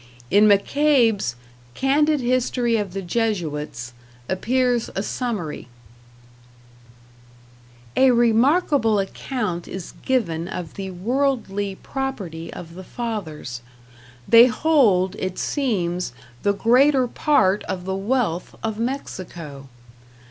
In McCabe's "Candid History of the Jesuits" appears a summary: A remarkable account is given of the worldly property of the fathers. They hold, it seems, the greater part of the wealth of Mexico.